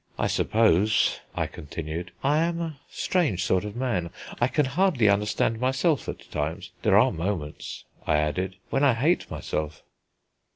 I suppose," I continued, "I am a strange sort of man; I can hardly understand myself at times. There are moments," I added, "when I hate myself."